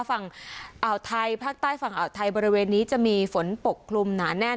ฝั่งอ่าวไทยภาคใต้ฝั่งอ่าวไทยบริเวณนี้จะมีฝนปกคลุมหนาแน่น